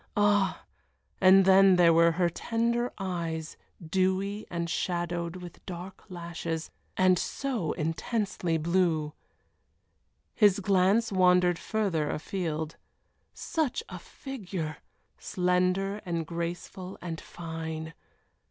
Ah! and then there were her tender eyes, dewy and shadowed with dark lashes, and so intensely blue. His glance wandered farther afield. Such a figure! slender and graceful and fine.